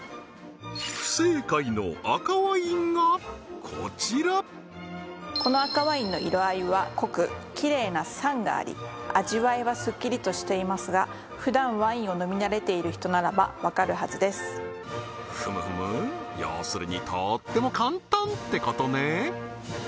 不正解の赤ワインがこちらこの赤ワインの色合いは濃くきれいな酸があり味わいはスッキリとしていますがふだんワインを飲み慣れている人ならばわかるはずですふむふむ要するにとーっても簡単ってことね